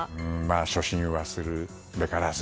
初心忘れるべからず。